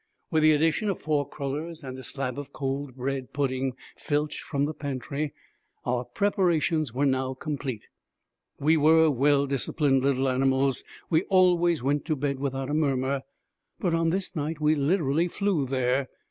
With the addition of four crullers and a slab of cold bread pudding filched from the pantry, our preparations were now complete. We were well disciplined little animals; we always went to bed without a murmur, but on this night we literally flew there.